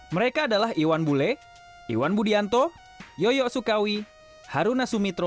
mereka adalah iwan bule iwan budianto yoyo sukawi haruna sumitro